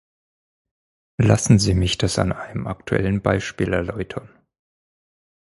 Lassen Sie mich das an einem aktuellen Beispiel erläutern.